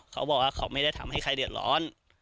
เขาบอกว่าเขาไม่ได้ทำให้ใครเดือดร้อน